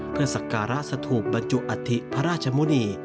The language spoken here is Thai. เพื่อสักการะสถูปบรรจุอัฐิพระราชมุณี